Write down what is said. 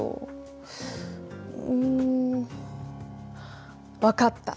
うん分かった。